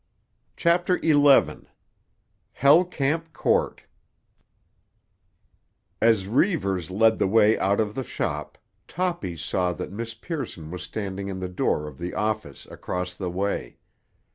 CHAPTER XI—"HELL CAMP" COURT As Reivers led the way out of the shop Toppy saw that Miss Pearson was standing in the door of the office across the way.